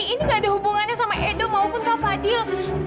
ini gak ada hubungannya sama edo maupun kak fadil